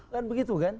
kan begitu kan